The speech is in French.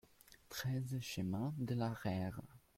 treize chemin de l'Araire